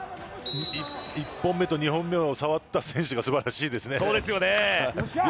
１本目と２本目を触った選手が素晴らしいですね。